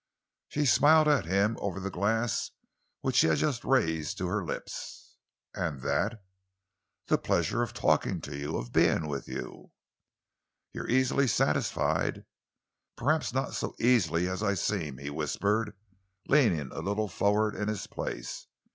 She smiled at him over the glass which she had just raised to her lips. "And that?" "The pleasure of talking to you of being with you." "You're easily satisfied." "Perhaps not so easily as I seem," he whispered, leaning a little forward in his place.